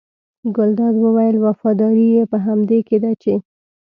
ګلداد وویل وفاداري یې په همدې کې ده چې.